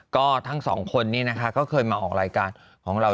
ก็ทั้งสองคนนี้นะคะก็เคยมาออกรายการของเรา